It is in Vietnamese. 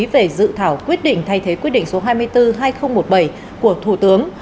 về dự thảo quyết định thay thế quyết định số hai mươi bốn hai nghìn một mươi bảy của thủ tướng